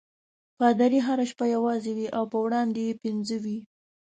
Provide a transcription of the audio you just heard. پادري هره شپه یوازې وي او په وړاندې یې پنځه وي.